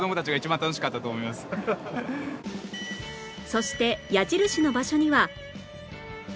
そして矢印の場所には